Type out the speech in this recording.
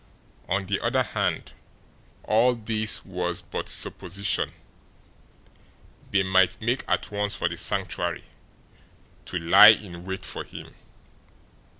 On the other hand all this was but supposition they might make at once for the Sanctuary to lie in wait for him.